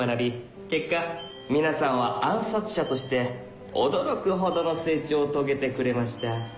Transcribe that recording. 結果皆さんは暗殺者として驚くほどの成長を遂げてくれました